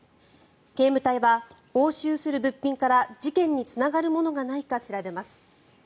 警務隊は押収する物品から事件につながるものがないか調べます。